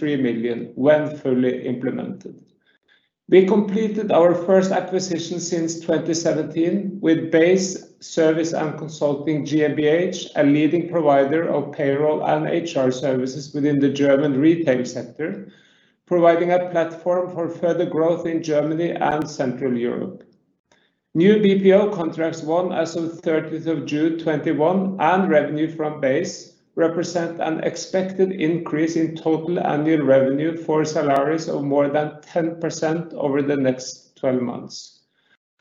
3 million when fully implemented. We completed our first acquisition since 2017 with ba.se service & consulting GmbH, a leading provider of payroll and HR services within the German retail sector, providing a platform for further growth in Germany and Central Europe. New BPO contracts won as of 30th of June 2021 and revenue from ba.se represent an expected increase in total annual revenue for Zalaris of more than 10% over the next 12 months.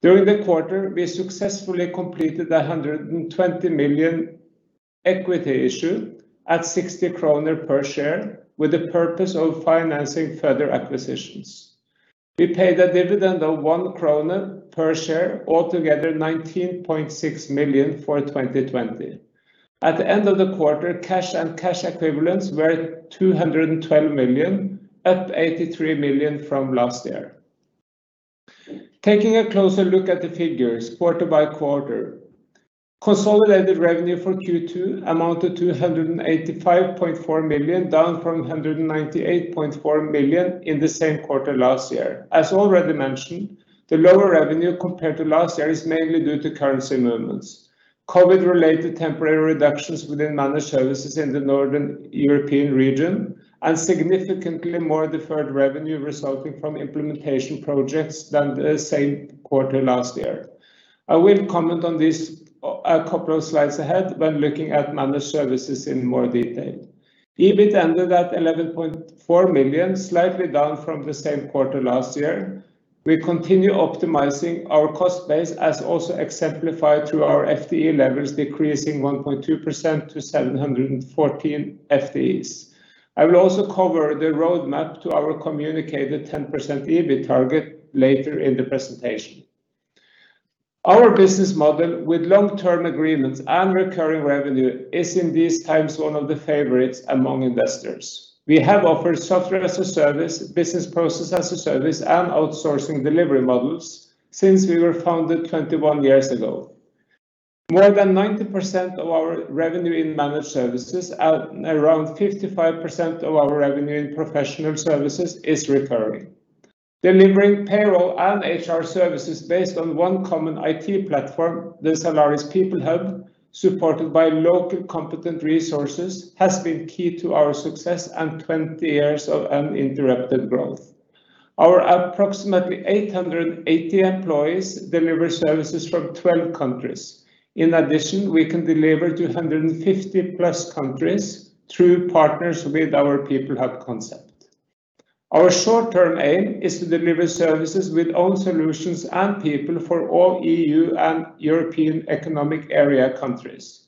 During the quarter, we successfully completed 120 million equity issue at 60 kroner per share with the purpose of financing further acquisitions. We paid a dividend of 1 krone per share, altogether 19.6 million for 2020. At the end of the quarter, cash and cash equivalents were 212 million, up 83 million from last year. Taking a closer look at the figures quarter by quarter. Consolidated revenue for Q2 amounted to 285.4 million, down from 198.4 million in the same quarter last year. As already mentioned, the lower revenue compared to last year is mainly due to currency movements. COVID related temporary reductions within Managed Services in the Northern European region and significantly more deferred revenue resulting from implementation projects than the same quarter last year. I will comment on this a couple of slides ahead when looking at Managed Services in more detail. EBIT ended at 11.4 million, slightly down from the same quarter last year. We continue optimizing our cost ba.se as also exemplified through our FTE levels decreasing 1.2% to 714 FTEs. I will also cover the roadmap to our communicated 10% EBIT target later in the presentation. Our business model with long-term agreements and recurring revenue is in these times one of the favorites among investors. We have offered software as a service, business process as a service, and outsourcing delivery models since we were founded 21 years ago. More than 90% of our revenue in Managed Services and around 55% of our revenue in Professional Services is recurring. Delivering payroll and HR services based on one common IT platform, the Zalaris PeopleHub, supported by local competent resources, has been key to our success and 20 years of uninterrupted growth. Our approximately 880 employees deliver services from 12 countries. In addition, we can deliver to 150+ countries through partners with our PeopleHub concept. Our short term aim is to deliver services with own solutions and people for all EU and European Economic Area countries.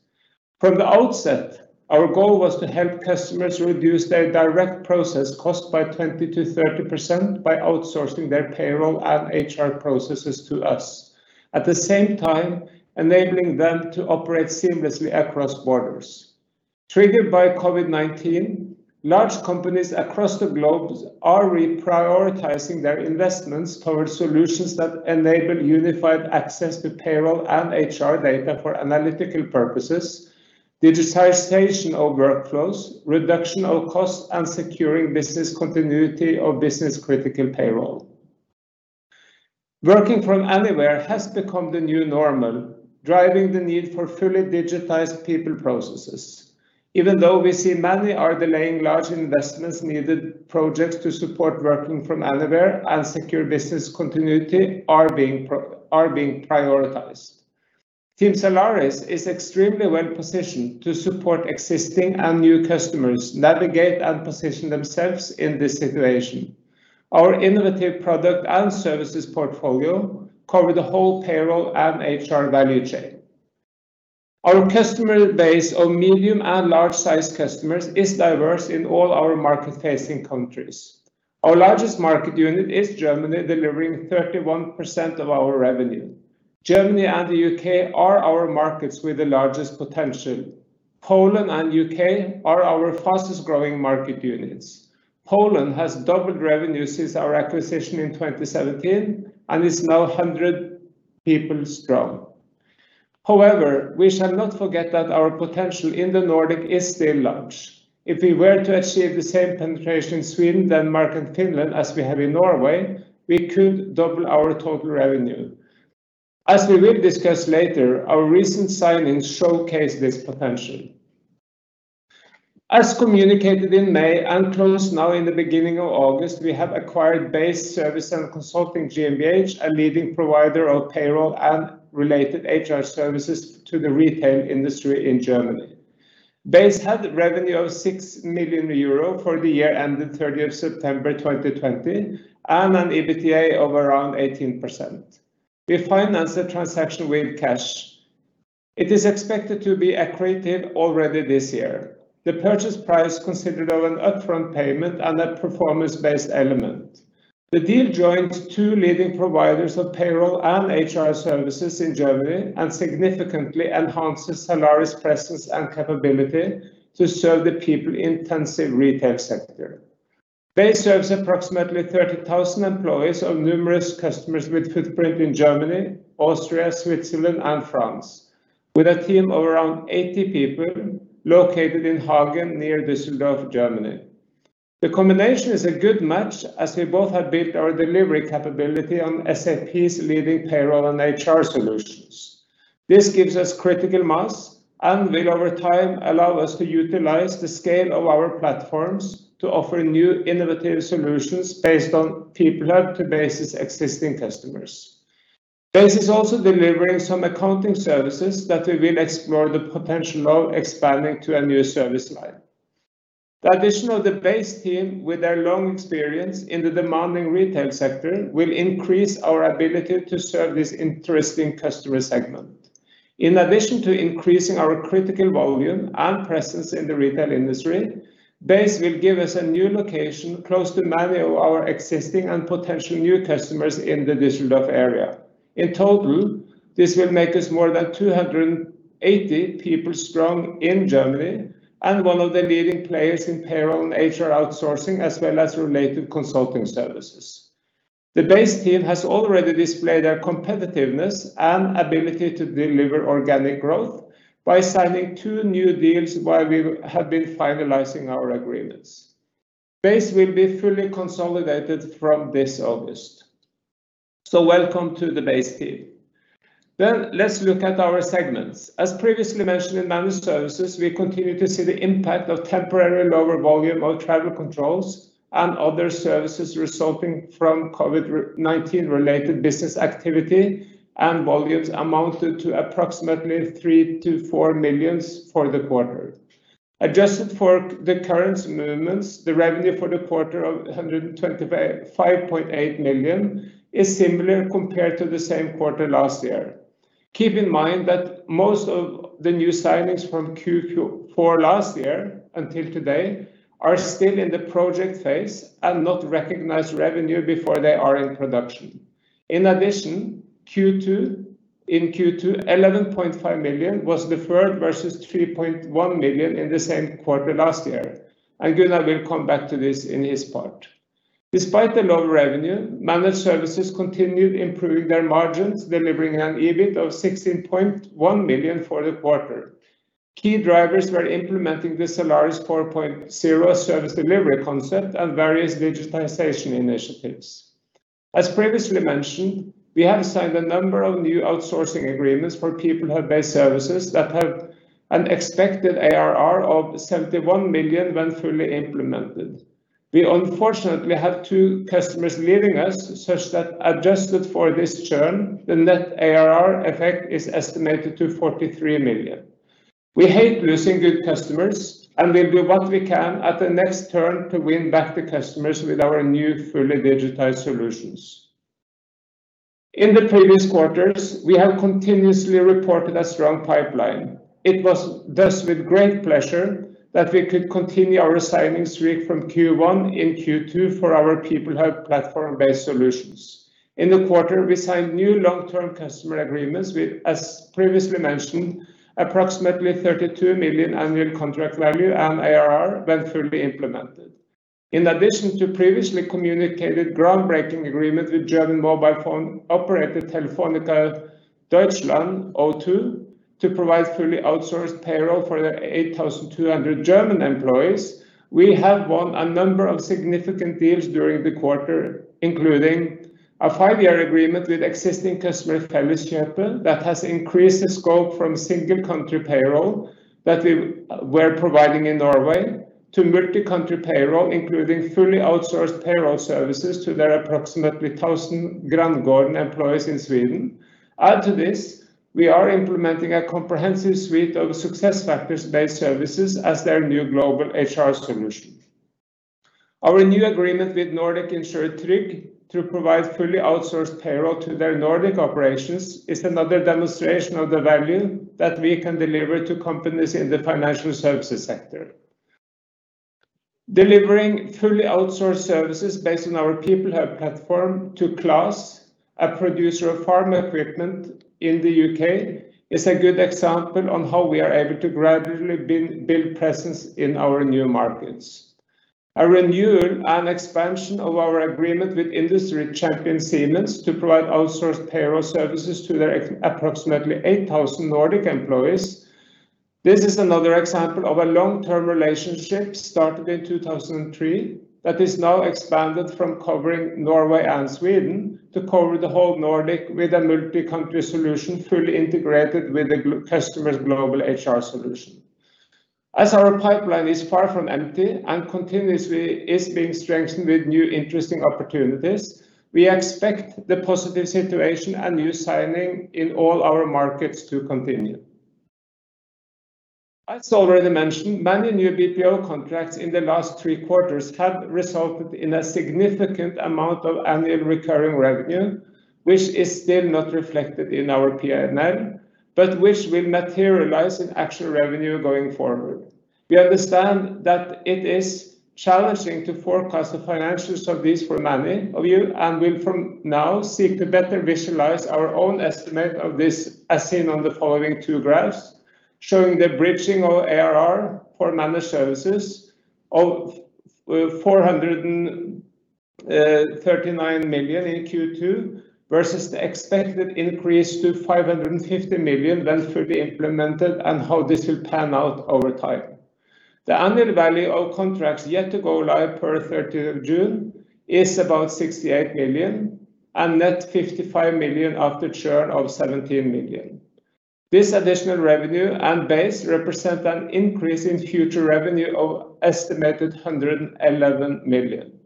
From the outset, our goal was to help customers reduce their direct process cost by 20%-30% by outsourcing their payroll and HR processes to us. At the same time, enabling them to operate seamlessly across borders. Triggered by COVID-19, large companies across the globe are reprioritizing their investments towards solutions that enable unified access to payroll and HR data for analytical purposes, digitization of workflows, reduction of cost, and securing business continuity of business critical payroll. Working from anywhere has become the new normal, driving the need for fully digitized people processes. Even though we see many are delaying large investments, needed projects to support working from anywhere and secure business continuity are being prioritized. Team Zalaris is extremely well positioned to support existing and new customers navigate and position themselves in this situation. Our innovative product and services portfolio cover the whole payroll and HR value chain. Our customer base of medium and large size customers is diverse in all our market facing countries. Our largest market unit is Germany, delivering 31% of our revenue. Germany and the U.K. are our markets with the largest potential. Poland and U.K. are our fastest growing market units. Poland has doubled revenue since our acquisition in 2017 and is now 100 people strong. However, we shall not forget that our potential in the Nordic is still large. If we were to achieve the same penetration in Sweden, Denmark, and Finland as we have in Norway, we could double our total revenue. As we will discuss later, our recent signings showcase this potential. As communicated in May and closed now in the beginning of August, we have acquired ba.se service & consulting GmbH, a leading provider of payroll and related HR services to the retail industry in Germany. ba.se had revenue of 6 million euro for the year ending 30th September 2020 and an EBITDA of around 18%. We financed the transaction with cash. It is expected to be accretive already this year. The purchase price consisted of an upfront payment and a performance-based element. The deal joins two leading providers of payroll and HR services in Germany and significantly enhances Zalaris' presence and capability to serve the people intensive retail sector. ba.se serves approximately 30,000 employees of numerous customers with footprint in Germany, Austria, Switzerland, and France, with a team of around 80 people located in Hagen, near Düsseldorf, Germany. The combination is a good match as we both have built our delivery capability on SAP's leading payroll and HR solutions. This gives us critical mass and will, over time, allow us to utilize the scale of our platforms to offer new innovative solutions based on PeopleHub to ba.se's existing customers. Ba.se is also delivering some accounting services that we will explore the potential of expanding to a new service line. The addition of the ba.se team with their long experience in the demanding retail sector will increase our ability to serve this interesting customer segment. In addition to increasing our critical volume and presence in the retail industry, ba.se will give us a new location close to many of our existing and potential new customers in the Düsseldorf area. In total, this will make us more than 280 people strong in Germany and one of the leading players in payroll and HR outsourcing, as well as related consulting services. The ba.se team has already displayed their competitiveness and ability to deliver organic growth by signing two new deals while we have been finalizing our agreements. ba.se will be fully consolidated from this August. Welcome to the ba.se team. Let's look at our segments. As previously mentioned in Managed Services, we continue to see the impact of temporary lower volume of travel controls and other services resulting from COVID-19 related business activity, and volumes amounted to approximately 3 million-4 million for the quarter. Adjusted for the currency movements, the revenue for the quarter of 125.8 million is similar compared to the same quarter last year. Keep in mind that most of the new signings from Q4 last year until today are still in the project phase and not recognized revenue before they are in production. In addition, in Q2, 11.5 million was deferred versus 3.1 million in the same quarter last year, and Gunnar will come back to this in his part. Despite the low revenue, Managed Services continued improving their margins, delivering an EBIT of 16.1 million for the quarter. Key drivers were implementing the Zalaris 4.0 service delivery concept and various digitization initiatives. As previously mentioned, we have signed a number of new outsourcing agreements for PeopleHub based services that have an expected ARR of 71 million when fully implemented. We unfortunately have two customers leaving us such that, adjusted for this churn, the net ARR effect is estimated to 43 million. We hate losing good customers and will do what we can at the next turn to win back the customers with our new fully digitized solutions. In the previous quarters, we have continuously reported a strong pipeline. It was thus with great pleasure that we could continue our signing streak from Q1 in Q2 for our PeopleHub platform based solutions. In the quarter, we signed new long-term customer agreements with, as previously mentioned, approximately 32 million annual contract value and ARR when fully implemented. In addition to previously communicated groundbreaking agreement with German mobile phone operator Telefónica Deutschland, O2, to provide fully outsourced payroll for their 8,200 German employees, we have won a number of significant deals during the quarter, including a five-year agreement with existing customer Felleskjøpet, that has increased the scope from single country payroll that we were providing in Norway to multi-country payroll, including fully outsourced payroll services to their approximately 1,000 Granngården employees in Sweden. Add to this, we are implementing a comprehensive suite of SuccessFactors base services as their new global HR solution. Our new agreement with Nordic insurer Tryg to provide fully outsourced payroll to their Nordic operations is another demonstration of the value that we can deliver to companies in the financial services sector. Delivering fully outsourced services based on our PeopleHub platform to CLAAS, a producer of farm equipment in the U.K., is a good example on how we are able to gradually build presence in our new markets. A renewal and expansion of our agreement with industry champion Siemens to provide outsourced payroll services to their approximately 8,000 Nordic employees. This is another example of a long-term relationship started in 2003 that is now expanded from covering Norway and Sweden to cover the whole Nordic with a multi-country solution fully integrated with the customer's global HR solution. As our pipeline is far from empty and continuously is being strengthened with new interesting opportunities, we expect the positive situation and new signing in all our markets to continue. As already mentioned, many new BPO contracts in the last three quarters have resulted in a significant amount of annual recurring revenue, which is still not reflected in our P&L, but which will materialize in actual revenue going forward. We understand that it is challenging to forecast the financials of this for many of you and will from now seek to better visualize our own estimate of this, as seen on the following two graphs. Showing the bridging of ARR for Managed Services of 439 million in Q2 versus the expected increase to 550 million when fully implemented and how this will pan out over time. The annual value of contracts yet to go live per 30th of June is about 68 million and net 55 million after churn of 17 million. This additional revenue and ba.se represent an increase in future revenue of estimated 111 million.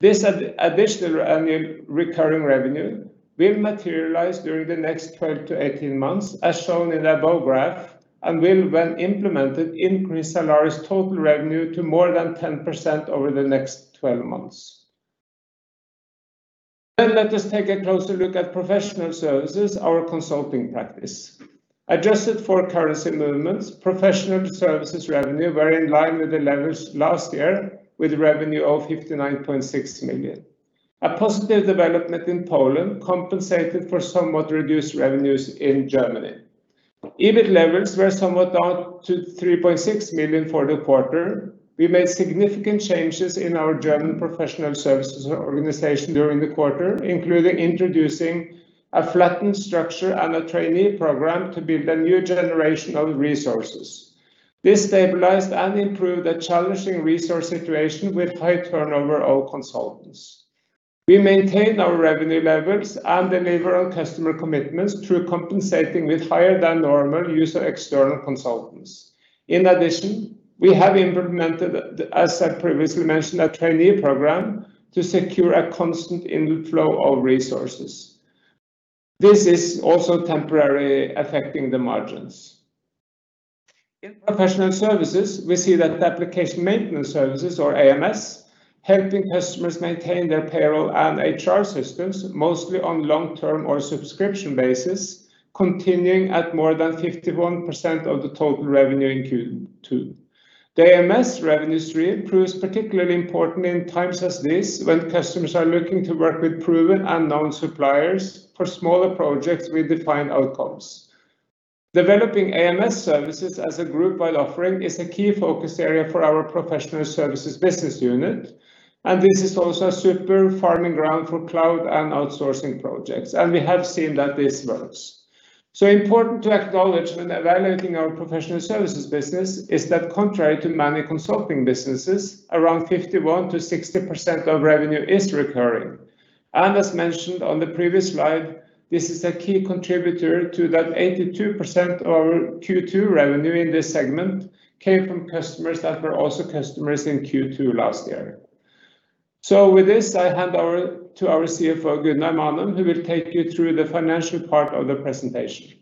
This additional annual recurring revenue will materialize during the next 12-18 months, as shown in above graph, and will, when implemented, increase Zalaris' total revenue to more than 10% over the next 12 months. Let us take a closer look at Professional Services, our consulting practice. Adjusted for currency movements, Professional Services revenue were in line with the levels last year, with revenue of 59.6 million. A positive development in Poland compensated for somewhat reduced revenues in Germany. EBIT levels were somewhat down to 3.6 million for the quarter. We made significant changes in our German Professional Services organization during the quarter, including introducing a flattened structure and a trainee program to build a new generation of resources. This stabilized and improved a challenging resource situation with high turnover of consultants. We maintain our revenue levels and deliver on customer commitments through compensating with higher than normal use of external consultants. We have implemented, as I previously mentioned, a trainee program to secure a constant inflow of resources. This is also temporarily affecting the margins. In Professional Services, we see that application maintenance services, or AMS, helping customers maintain their payroll and HR systems, mostly on long-term or subscription basis, continuing at more than 51% of the total revenue in Q2. The AMS revenue stream proves particularly important in times as this, when customers are looking to work with proven and known suppliers for smaller projects with defined outcomes. Developing AMS services as a group wide offering is a key focus area for our Professional Services business unit, and this is also a super farming ground for cloud and outsourcing projects. We have seen that this works. Important to acknowledge when evaluating our professional services business is that contrary to many consulting businesses, around 51%-60% of revenue is recurring. As mentioned on the previous slide, this is a key contributor to that 82% our Q2 revenue in this segment came from customers that were also customers in Q2 last year. With this, I hand to our CFO, Gunnar Manum, who will take you through the financial part of the presentation.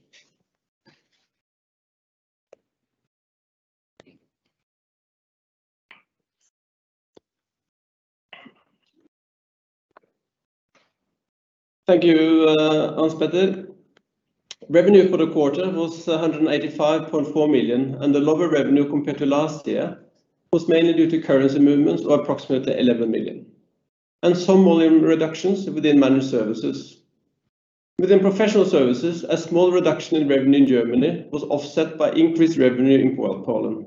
Thank you, Hans-Petter Mellerud. Revenue for the quarter was 185.4 million, and the lower revenue compared to last year was mainly due to currency movements of approximately 11 million, and some volume reductions within Managed Services. Within Professional Services, a small reduction in revenue in Germany was offset by increased revenue in Poland.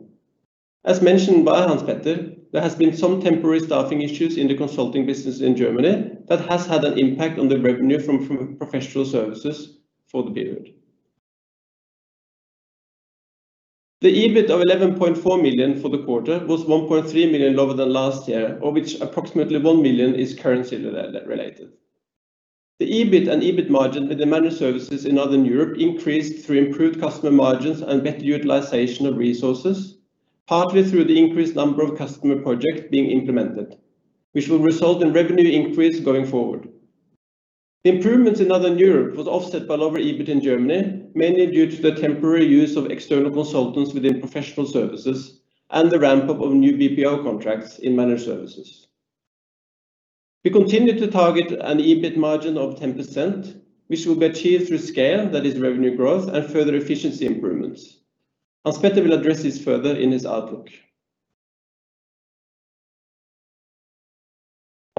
As mentioned by Hans-Petter, there has been some temporary staffing issues in the consulting business in Germany that has had an impact on the revenue from Professional Services for the period. The EBIT of 11.4 million for the quarter was 1.3 million lower than last year, of which approximately 1 million is currency related. The EBIT and EBIT margin in the Managed Services in Northern Europe increased through improved customer margins and better utilization of resources, partly through the increased number of customer projects being implemented, which will result in revenue increase going forward. The improvements in Northern Europe was offset by lower EBIT in Germany, mainly due to the temporary use of Professional Services and the ramp-up of new BPO contracts in Managed Services. We continue to target an EBIT margin of 10%, which will be achieved through scale, that is revenue growth, and further efficiency improvements. Hans-Petter will address this further in his outlook.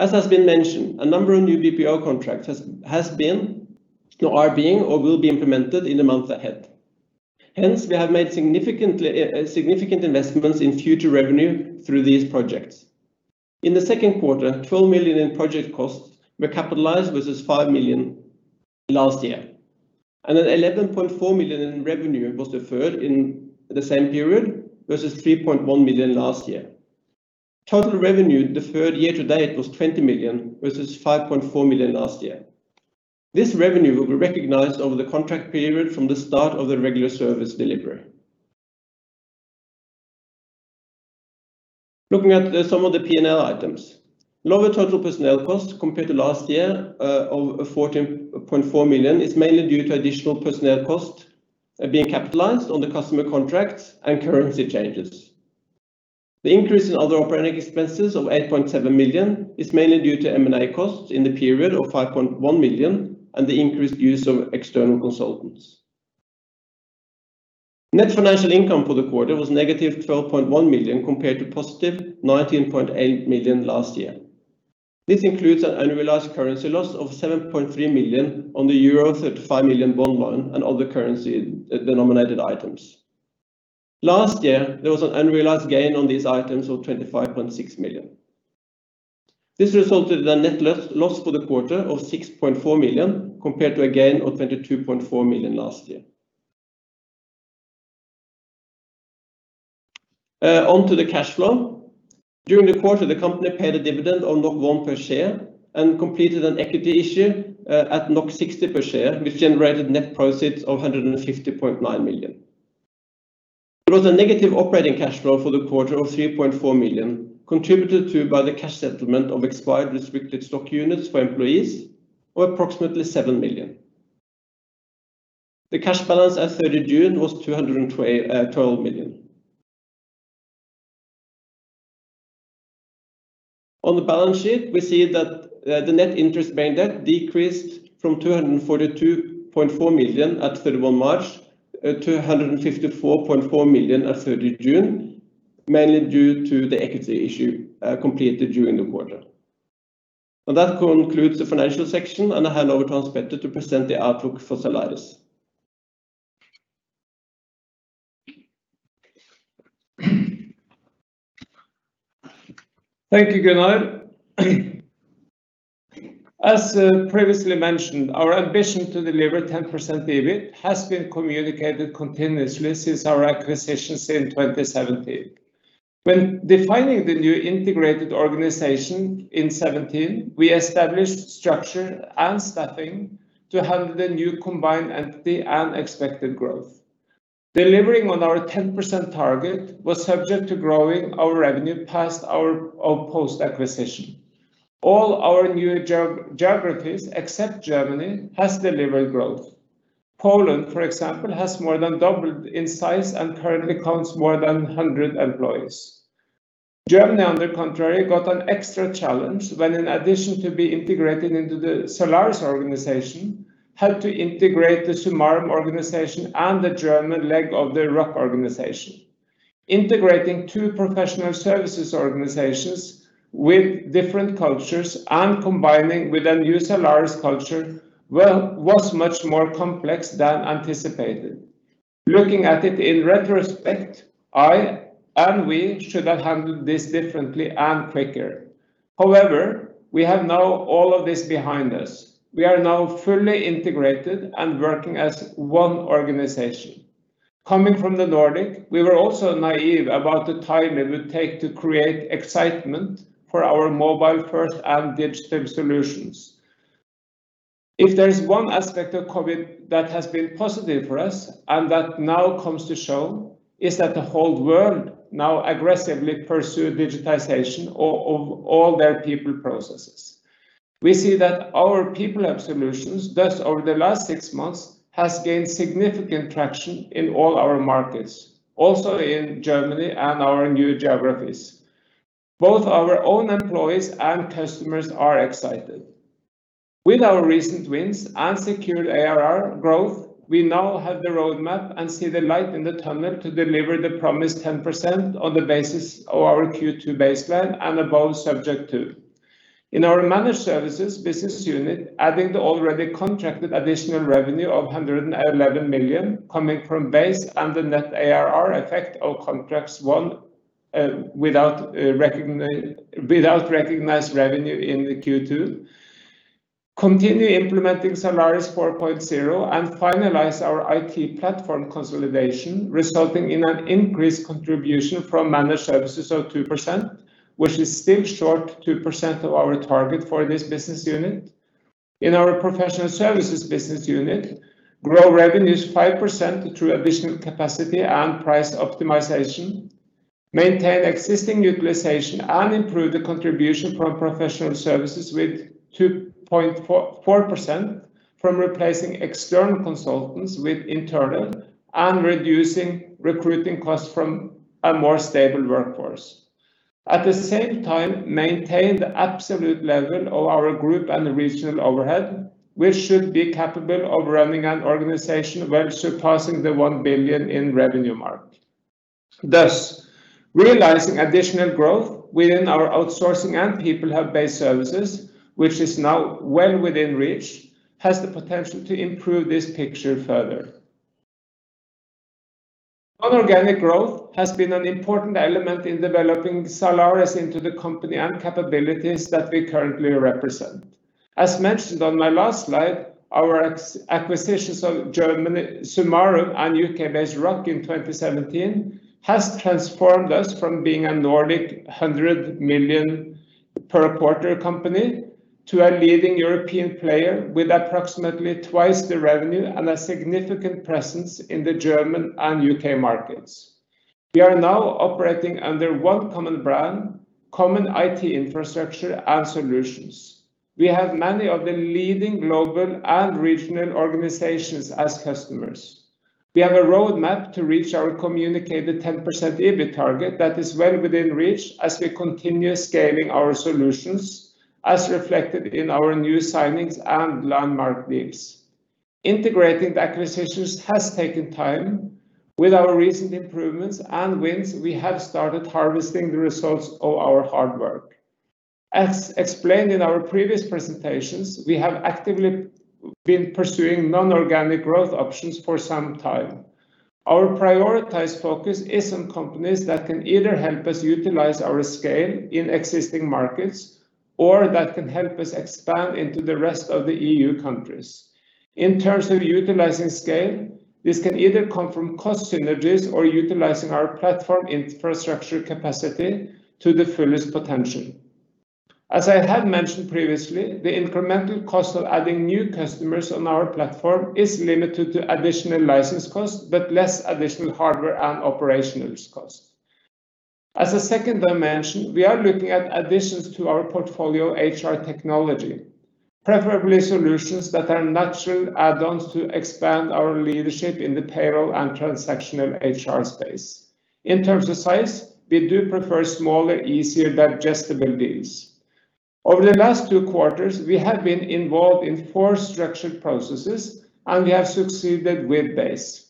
As has been mentioned, a number of new BPO contracts has been, are being, or will be implemented in the months ahead. Hence, we have made significant investments in future revenue through these projects. In the second quarter, 12 million in project costs were capitalized versus 5 million last year, and then 11.4 million in revenue was deferred in the same period versus 3.1 million last year. Total revenue deferred year to date was 20 million, versus 5.4 million last year. This revenue will be recognized over the contract period from the start of the regular service delivery. Looking at some of the P&L items. Lower total personnel costs compared to last year of 14.4 million is mainly due to additional personnel costs being capitalized on the customer contracts and currency changes. The increase in other operating expenses of 8.7 million is mainly due to M&A costs in the period of 5.1 million and the increased use of external consultants. Net financial income for the quarter was -12.1 million, compared to +19.8 million last year. This includes an unrealized currency loss of 7.3 million on the euro 35 million bond loan and other currency denominated items. Last year, there was an unrealized gain on these items of 25.6 million. This resulted in a net loss for the quarter of 6.4 million, compared to a gain of 22.4 million last year. On to the cash flow. During the quarter, the company paid a dividend of 1 per share and completed an equity issue at 60 per share, which generated net proceeds of 150.9 million. There was a negative operating cash flow for the quarter of 3.4 million, contributed to by the cash settlement of expired restricted stock units for employees of approximately 7 million. The cash balance as of June 30 was NOK 212 million. On the balance sheet, we see that the net interest bearing debt decreased from 242.4 million at March 31 to 154.4 million at June 30, mainly due to the equity issue completed during the quarter. That concludes the financial section and I hand over to Hans-Petter to present the outlook for Zalaris. Thank you, Gunnar. As previously mentioned, our ambition to deliver 10% EBIT has been communicated continuously since our acquisitions in 2017. When defining the new integrated organization in 2017, we established structure and staffing to handle the new combined entity and expected growth. Delivering on our 10% target was subject to growing our revenue post-acquisition. All our new geographies, except Germany, has delivered growth. Poland, for example, has more than doubled in size and currently counts more than 100 employees. Germany, on the contrary, got an extra challenge when in addition to be integrated into the Zalaris organization, had to integrate the sumarum organization and the German leg of the ROC organization. Integrating two professional services organizations with different cultures and combining with a new Zalaris culture was much more complex than anticipated. Looking at it in retrospect, I and we should have handled this differently and quicker. However, we have now all of this behind us. We are now fully integrated and working as one organization. Coming from the Nordic, we were also naive about the time it would take to create excitement for our mobile first and digital solutions. If there's one aspect of COVID that has been positive for us and that now comes to show, is that the whole world now aggressively pursue digitization of all their people processes. We see that our PeopleHub solutions, thus over the last six months has gained significant traction in all our markets, also in Germany and our new geographies. Both our own employees and customers are excited. With our recent wins and secured ARR growth, we now have the roadmap and see the light in the tunnel to deliver the promised 10% on the basis of our Q2 baseline and above. In our Managed Services business unit, adding the already contracted additional revenue of 111 million coming from ba.se and the net ARR effect of contracts won without recognized revenue in the Q2. Continue implementing Zalaris 4.0 and finalize our IT platform consolidation, resulting in an increased contribution from Managed Services of 2%, which is still short 2% of our target for this business unit. In our Professional Services business unit, grow revenues 5% through additional capacity and price optimization. Maintain existing utilization and improve the contribution from Professional Services with 2.4% from replacing external consultants with internal, and reducing recruiting costs from a more stable workforce. At the same time, maintain the absolute level of our group and regional overhead. We should be capable of running an organization well surpassing the 1 billion in revenue mark. Thus, realizing additional growth within our outsourcing and PeopleHub Base services, which is now well within reach, has the potential to improve this picture further. Non-organic growth has been an important element in developing Zalaris into the company and capabilities that we currently represent. As mentioned on my last slide, our acquisitions of Germany, sumarum AG, and U.K.-based ROC in 2017, has transformed us from being a Nordic 100 million per quarter company to a leading European player with approximately twice the revenue and a significant presence in the German and U.K. markets. We are now operating under one common brand, common IT infrastructure, and solutions. We have many of the leading global and regional organizations as customers. We have a roadmap to reach our communicated 10% EBIT target that is well within reach as we continue scaling our solutions as reflected in our new signings and landmark deals. Integrating the acquisitions has taken time. With our recent improvements and wins, we have started harvesting the results of our hard work. As explained in our previous presentations, we have actively been pursuing non-organic growth options for some time. Our prioritized focus is on companies that can either help us utilize our scale in existing markets, or that can help us expand into the rest of the EU countries. In terms of utilizing scale, this can either come from cost synergies or utilizing our platform infrastructure capacity to the fullest potential. As I had mentioned previously, the incremental cost of adding new customers on our platform is limited to additional license costs, but less additional hardware and operational costs. As a second dimension, we are looking at additions to our portfolio HR technology, preferably solutions that are natural add-ons to expand our leadership in the payroll and transactional HR space. In terms of size, we do prefer smaller, easier digestible deals. Over the last two quarters, we have been involved in four structured processes, and we have succeeded with ba.se.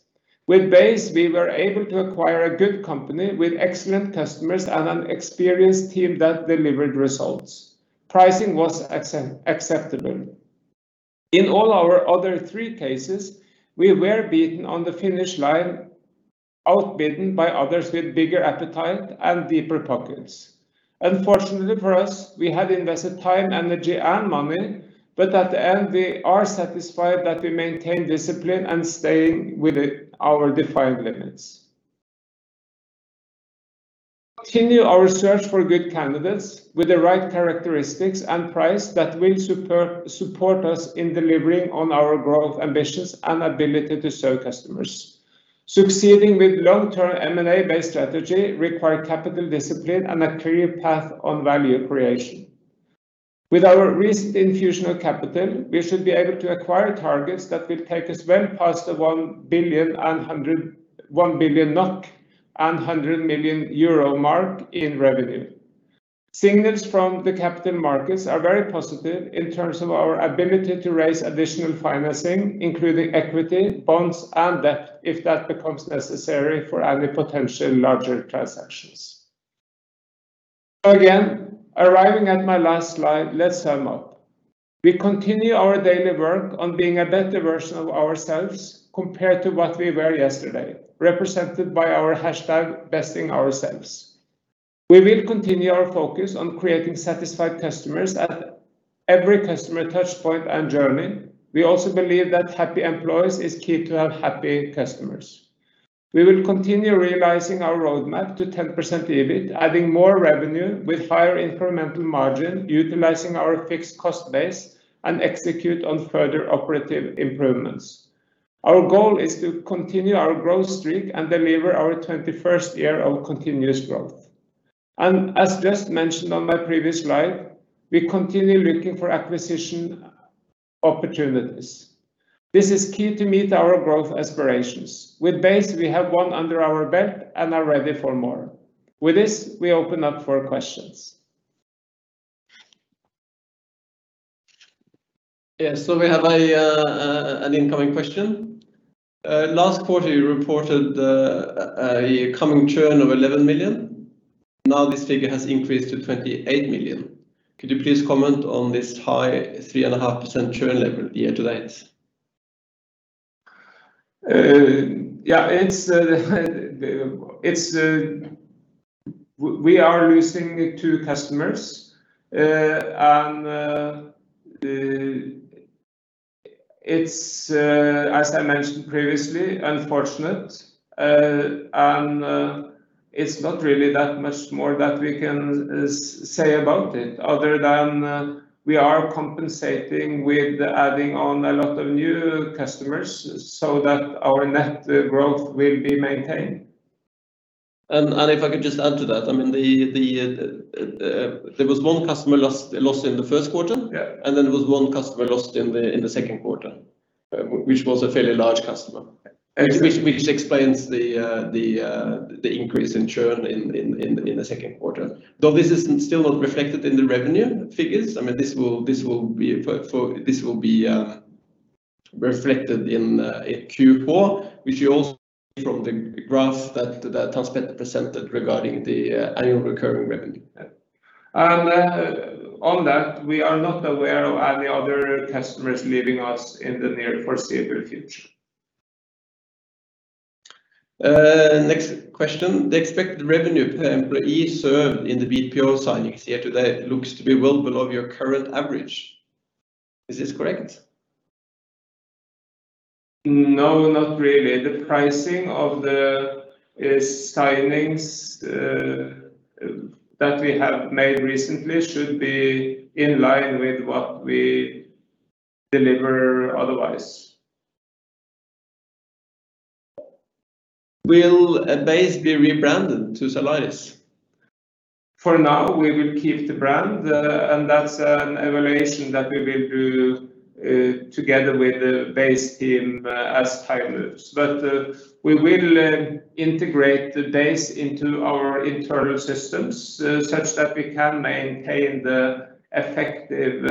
With ba.se, we were able to acquire a good company with excellent customers and an experienced team that delivered results. Pricing was acceptable. In all our other three cases, we were beaten on the finish line, out bidden by others with bigger appetite and deeper pockets. Unfortunately for us, we had invested time, energy, and money, but at the end we are satisfied that we maintain discipline and staying within our defined limits. Continue our search for good candidates with the right characteristics and price that will support us in delivering on our growth ambitions and ability to serve customers. Succeeding with long-term M&A-based strategy require capital discipline and a clear path on value creation. With our recent infusion of capital, we should be able to acquire targets that will take us well past the 1 billion NOK and 100 million euro mark in revenue. Signals from the capital markets are very positive in terms of our ability to raise additional financing, including equity, bonds, and debt, if that becomes necessary for any potential larger transactions. Again, arriving at my last slide, let us sum up. We continue our daily work on being a better version of ourselves compared to what we were yesterday, represented by our hashtag, besting ourselves. We will continue our focus on creating satisfied customers at every customer touch point and journey. We also believe that happy employees is key to have happy customers. We will continue realizing our roadmap to 10% EBIT, adding more revenue with higher incremental margin, utilizing our fixed cost base and execute on further operative improvements. Our goal is to continue our growth streak and deliver our 21st year of continuous growth. As just mentioned on my previous slide, we continue looking for acquisition opportunities. This is key to meet our growth aspirations. With ba.se, we have one under our belt and are ready for more. With this, we open up for questions. Yes. We have an incoming question. Last quarter, you reported a coming churn of 11 million. Now this figure has increased to NOK 28 million. Could you please comment on this high 3.5% churn level year to date? Yeah. We are losing two customers. It's, as I mentioned previously, unfortunate. It's not really that much more that we can say about it other than we are compensating with adding on a lot of new customers so that our net growth will be maintained. If I could just add to that, there was one customer lost in the first quarter. Yeah. There was one customer lost in the second quarter, which was a fairly large customer. Exactly. Which explains the increase in churn in the second quarter. This is still not reflected in the revenue figures. This will be reflected in Q4, which you also see from the graph that Hans-Petter presented regarding the annual recurring revenue. On that, we are not aware of any other customers leaving us in the near foreseeable future. Next question. The expected revenue per employee served in the BPO signings year to date looks to be well below your current average. Is this correct? No, not really. The pricing of the signings that we have made recently should be in line with what we deliver otherwise. Will ba.se be rebranded to Zalaris? For now, we will keep the brand, and that's an evaluation that we will do together with the ba.se team as time moves. We will integrate ba.se into our internal systems such that we can maintain the effective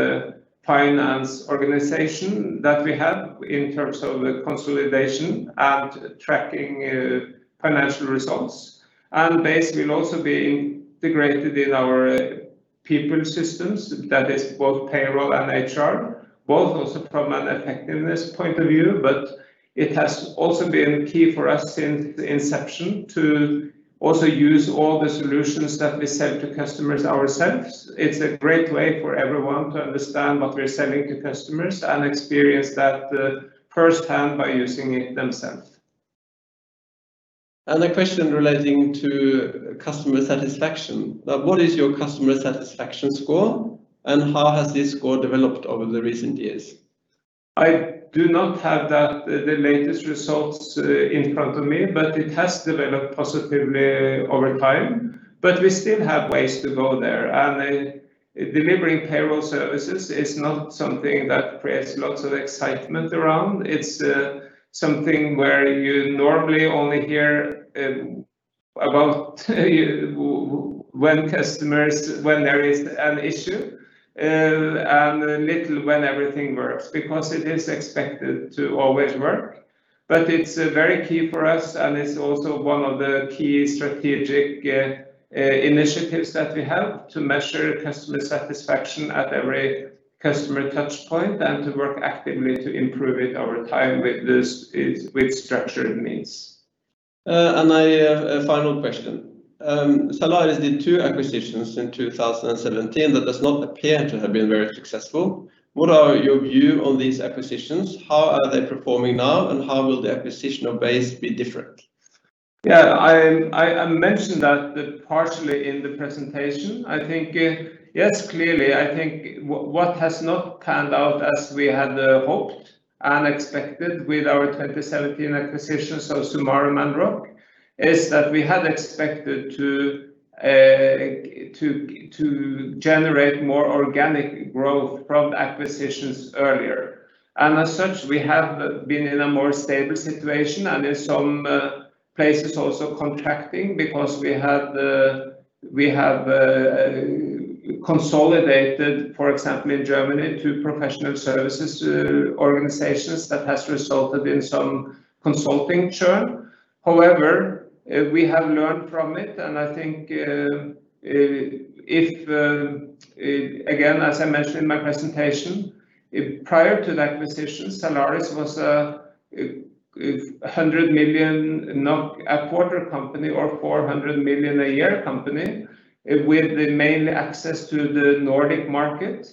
finance organization that we have in terms of consolidation and tracking financial results. Ba.se will also be integrated in our people systems, that is both payroll and HR, both also from an effectiveness point of view. It has also been key for us since the inception to also use all the solutions that we sell to customers ourselves. It's a great way for everyone to understand what we're selling to customers and experience that firsthand by using it themselves. A question relating to customer satisfaction. What is your customer satisfaction score, and how has this score developed over the recent years? I do not have the latest results in front of me, it has developed positively over time. We still have ways to go there. Delivering payroll services is not something that creates lots of excitement around. It's something where you normally only hear about when there is an issue, and little when everything works, because it is expected to always work. It's very key for us, and it's also one of the key strategic initiatives that we have to measure customer satisfaction at every customer touch point and to work actively to improve it over time with structured means. A final question. Zalaris did two acquisitions in 2017 that does not appear to have been very successful. What are your view on these acquisitions? How are they performing now, and how will the acquisition of base be different? I mentioned that partially in the presentation. I think yes, clearly, I think what has not panned out as we had hoped and expected with our 2017 acquisitions of sumarum AG and ROC is that we had expected to generate more organic growth from acquisitions earlier. As such, we have been in a more stable situation, and in some places also contracting because we have consolidated, for example, in Germany, two Professional Services organizations that has resulted in some consulting churn. We have learned from it, and I think if, again, as I mentioned in my presentation, prior to the acquisition, Zalaris was a 100 million a quarter company or 400 million a year company with the main access to the Nordic market.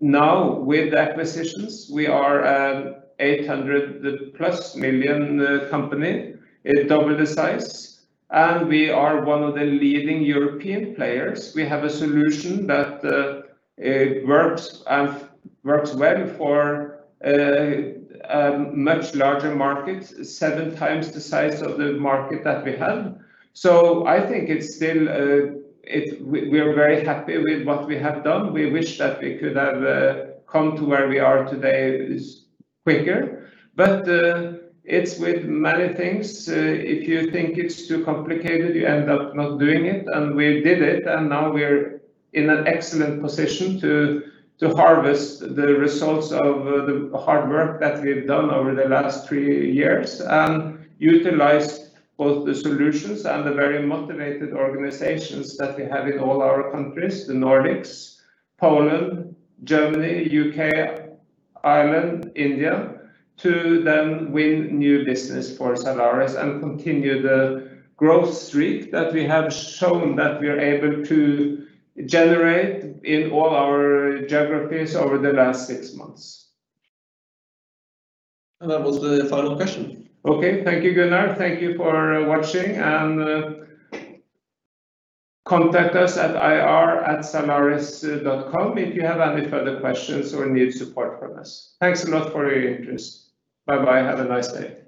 Now, with the acquisitions, we are a 800+ million company, double the size, we are one of the leading European players. We have a solution that works well for a much larger market, 7x the size of the market that we had. It's with many things, if you think it's too complicated, you end up not doing it, and we did it, and now we're in an excellent position to harvest the results of the hard work that we've done over the last three years and utilize both the solutions and the very motivated organizations that we have in all our countries, the Nordics, Poland, Germany, U.K., Ireland, India, to then win new business for Zalaris and continue the growth streak that we have shown that we are able to generate in all our geographies over the last six months. That was the final question. Okay. Thank you, Gunnar. Thank you for watching. Contact us at ir@zalaris.com if you have any further questions or need support from us. Thanks a lot for your interest. Bye-bye. Have a nice day.